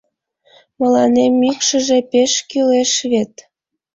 Мыланем мӱкшыжӧ пеш кӱлеш вет...